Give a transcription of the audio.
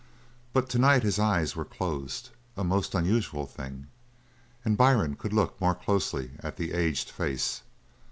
But to night his eyes were closed, a most unusual thing, and Byrne could look more closely at the aged face.